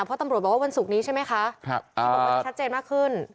เพราะตำรวจบอกว่าวันศุกร์นี้ใช่ไหมคะเขาบอกว่าจะชัดเจนมากขึ้น